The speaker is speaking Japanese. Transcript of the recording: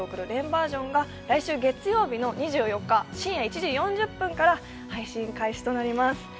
バージョンが来週月曜日の２４日深夜１時４０分から配信開始となります。